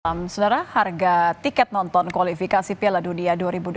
selamat malam senara harga tiket nonton kualifikasi piala dunia dua ribu dua puluh enam